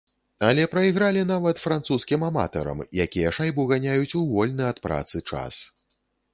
Але прайгралі нават французскім аматарам, якія шайбу ганяюць у вольны ад працы час.